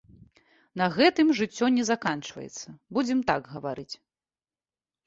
На гэтым жыццё не заканчваецца, будзем так гаварыць!